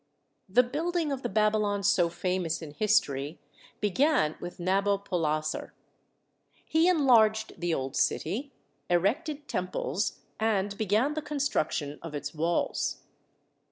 The build ing of the Babylon so famous in history began THE WALLS OF BABYLON 43 with Nabopolassar. He enlarged the old city, erected temples, and began the construction of its walls.